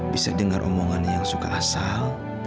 bisa dengar omongannya yang suka asal